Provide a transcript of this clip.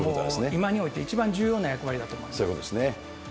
今において、一番重要な役割そういうことですね。